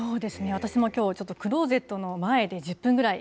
私もきょう、ちょっとクローゼットの前で１０分ぐらい。